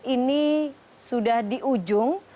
ini sudah di ujung